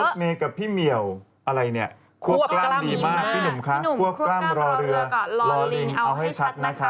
เมย์กับพี่เหมียวอะไรเนี่ยคั่วกล้ามดีมากพี่หนุ่มคะคั่วกล้ามรอเรือรอลิงเอาให้ชัดนะคะ